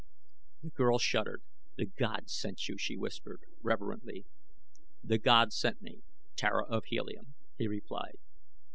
The girl shuddered. "The Gods sent you," she whispered reverently. "The Gods sent me, Tara of Helium," he replied.